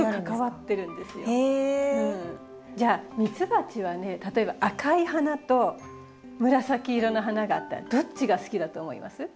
じゃあミツバチはね例えば赤い花と紫色の花があったらどっちが好きだと思います？